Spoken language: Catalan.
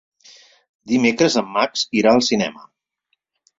Dimecres en Max irà al cinema.